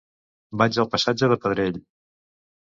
Vaig al passatge de Pedrell.